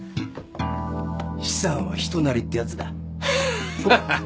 資産は人なりってやつだ。ハハハ！